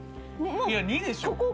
いや２でしょう